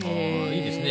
いいですね。